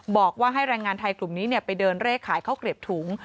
บอกว่าให้แรงงานไทยกลุ่มนี้ไปเดินเลขขายข้าวเกลียบถุง